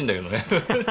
ハハハ！